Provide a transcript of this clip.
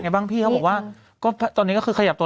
บ้างพี่เขาบอกว่าก็ตอนนี้ก็คือขยับตัว